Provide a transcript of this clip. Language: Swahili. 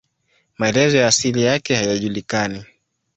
Maelezo ya asili yake hayajulikani.